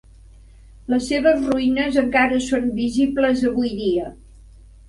Les seves ruïnes encara són visibles avui dia.